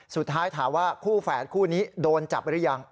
สุดท้ายถามว่าคู่แฝดคู่นี้โดนจับหรือยัง